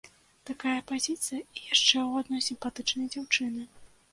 Такая пазіцыя і яшчэ ў адной сімпатычнай дзяўчыны!